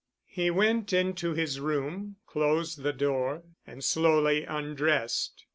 He went into his room, closed the door and slowly undressed.